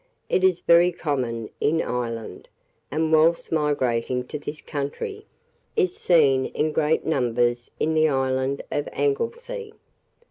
It is very common in Ireland, and, whilst migrating to this country, is seen in great numbers in the island of Anglesea.